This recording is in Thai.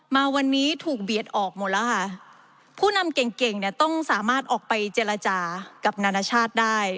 มาวันนี้ถูกเบียดออกหมดแล้วค่ะผู้นำเก่งเก่งเนี่ยต้องสามารถออกไปเจรจากับนานาชาติได้